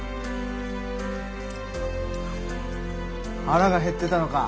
腹が減ってたのか。